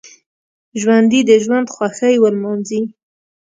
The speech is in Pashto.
ژوندي د ژوند خوښۍ ولمانځي